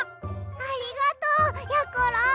ありがとうやころ！